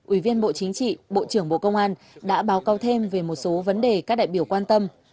ủy viên bộ chính trị bộ trưởng bộ công an đã báo cáo thêm về một số vấn đề các đại biểu quan tâm